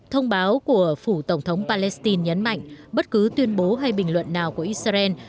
thông báo của phủ tổng thống palestine nhấn mạnh bất cứ tuyên bố hay bình luận nào của israel